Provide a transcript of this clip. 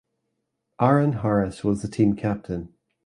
Aaron Harris was the team captain.